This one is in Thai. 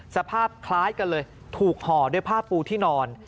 สภาพคล้ายกันเลยถูกห่อด้วยผ้าปูที่นอน